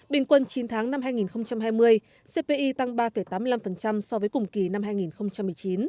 bình quân chín tháng năm hai nghìn hai mươi cpi tăng ba tám mươi năm so với cùng kỳ năm hai nghìn một mươi chín